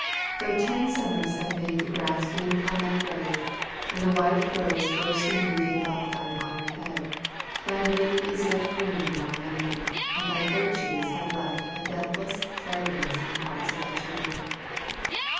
Though ten summers have made the grass green upon thy grave, and the white rose burst in beauty above thine honored head, thy name is yet green in our memory, and thy virtues have left a deathless fragrance in the hearts of thy children.